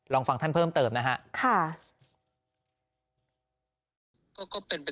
ลองฟังท่านเพิ่มเติมนะฮะ